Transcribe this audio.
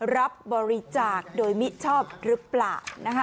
รับบริจาคโดยมิชอบหรือเปล่า